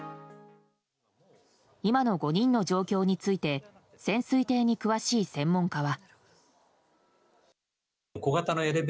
今の５人の状況について潜水艇に詳しい専門家は。